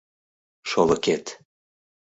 Шолыкет